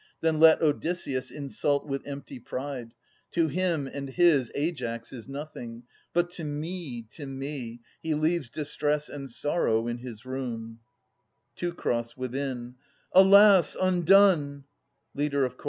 Then let Odysseus Insult with empty pride. To him and his Aias is nothing; but to me, to me. He leaves distress and sorrow in his room ! Teucer {within). Alas, undone ! Leader of Ch.